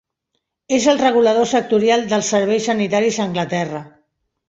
És el regulador sectorial dels serveis sanitaris a Anglaterra.